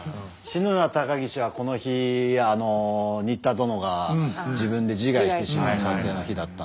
「死ぬな高岸」はこの日仁田殿が自分で自害してしまう撮影の日だったんですけど。